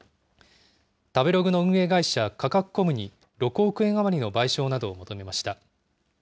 食べログの運営会社、カカクコムに６億円余りの賠償などを求めました。